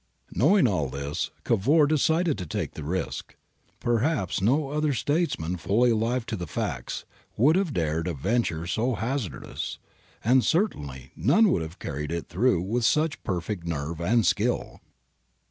Knowing all this, Cavour decided to take the risk. Perhaps no other statesman fully alive to the facts would have dared a venture so hazardous, and certainly none could have carried it through with such perfect nerve and skill.